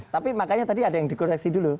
tapi makanya tadi ada yang dikoreksi dulu